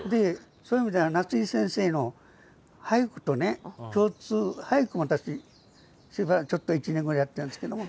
そういう意味では夏井先生の俳句とね共通俳句も私しばらくちょっと１年ぐらいやってるんですけども。